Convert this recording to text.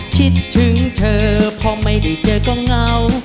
คิดถึงเธอพอไม่ได้เจอก็เงา